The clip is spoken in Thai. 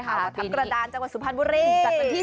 ทับกระดานจังหวัดสุภัณฑ์บุรี